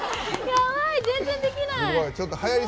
やばい、全然できない！